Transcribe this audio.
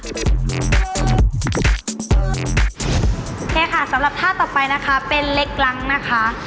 ค่ะสำหรับท่าต่อไปนะคะเป็นเล็กล้างนะคะ